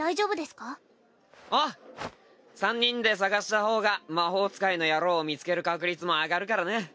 三人で捜した方が魔法使いの野郎を見つける確率も上がるからな。